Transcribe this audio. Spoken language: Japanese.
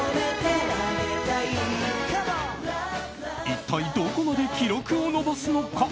一体どこまで記録を伸ばすのか。